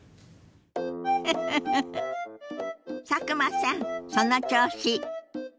フフフ佐久間さんその調子！